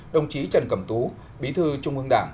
đồng chí trần cẩm tú bí thư trung ương đảng